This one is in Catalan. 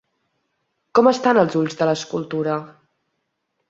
Com estan els ulls de l'escultura?